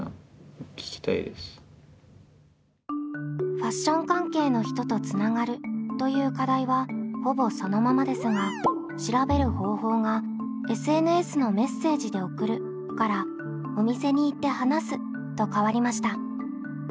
「ファッション関係の人とつながる」という課題はほぼそのままですが調べる方法が「ＳＮＳのメッセージで送る」から「お店に行って話す」と変わりました。